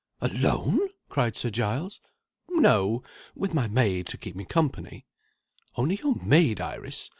"Alone!" cried Sir Giles. "No with my maid to keep me company." "Only your maid, Iris?